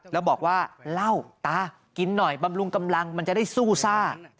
แล้วบอกว่าเหล้าตากินหน่อยบำรุงกำลังมันจะได้สู้ซ่า